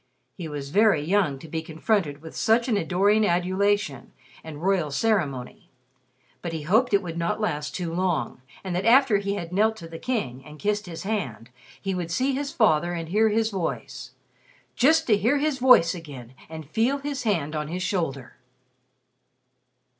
He was very young to be confronted with such an adoring adulation and royal ceremony; but he hoped it would not last too long, and that after he had knelt to the King and kissed his hand, he would see his father and hear his voice. Just to hear his voice again, and feel his hand on his shoulder!